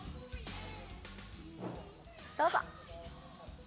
どうぞ。